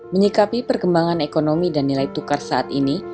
menyikapi perkembangan ekonomi dan nilai tukar saat ini